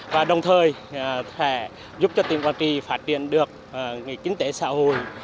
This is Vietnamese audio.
và đồng thời sẽ giúp cho tỉnh quảng trị phát triển được kinh tế xã hội